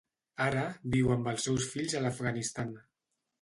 Ara, viu amb els seus fills a l'Afganistan.